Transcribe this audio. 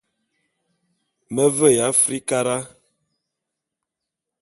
Me veya Afrikara.